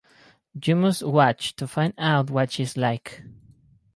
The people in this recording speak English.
You must watch to find out what she's like.